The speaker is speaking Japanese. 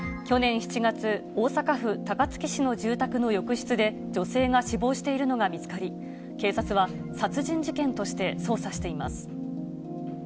去年７月、大阪府高槻市の住宅の浴室で、女性が死亡しているのが見つかり、警察は殺人事件として捜査しています。